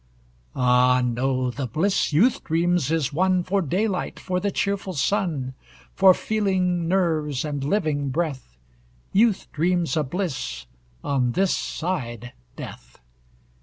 Ah no, the bliss youth dreams is one For daylight, for the cheerful sun, For feeling nerves and living breath Youth dreams a bliss on this side death.